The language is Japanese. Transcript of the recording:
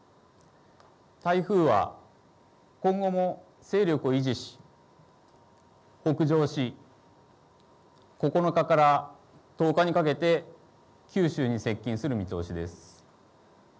台風は今後も勢力を維持し北上し、９日から１０日にかけて九州に接近する見通しです。